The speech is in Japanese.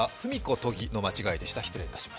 都議の間違いでした。